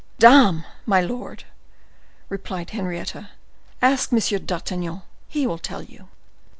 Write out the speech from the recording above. "Dame! my lord," replied Henrietta, "ask Monsieur d'Artagnan; he will tell you."